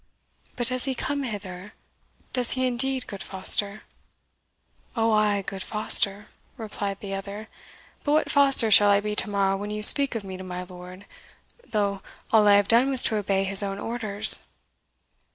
"But does he come hither? does he indeed, good Foster?" "Oh, ay, good Foster!" replied the other. "But what Foster shall I be to morrow when you speak of me to my lord though all I have done was to obey his own orders?"